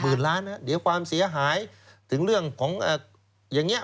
ล้านนะเดี๋ยวความเสียหายถึงเรื่องของอย่างนี้